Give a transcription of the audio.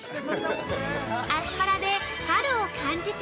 ◆アスパラで春を感じて！